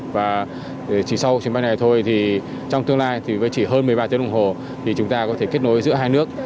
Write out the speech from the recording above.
và chỉ sau chuyến bay này thôi thì trong tương lai thì mới chỉ hơn một mươi ba tiếng đồng hồ thì chúng ta có thể kết nối giữa hai nước